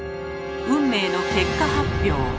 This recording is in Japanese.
運命の結果発表。